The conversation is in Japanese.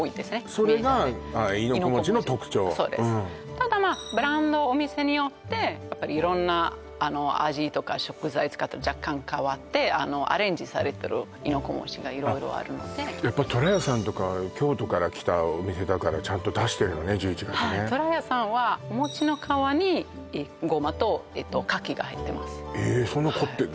ただまあブランドお店によってやっぱり色んな味とか食材使った若干変わってアレンジされてる亥の子餅が色々あるのでやっぱとらやさんとかは京都から来たお店だからちゃんと出してるのね１１月ねはいとらやさんはお餅の皮にゴマと柿が入ってますえっそんな凝ってんの？